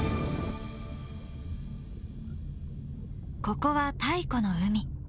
ここは太古の海。